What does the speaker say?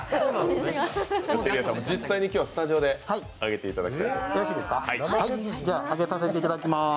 実際に今日はスタジオで揚げていただきます。